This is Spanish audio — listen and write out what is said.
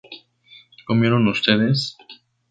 ¿comieran ustedes?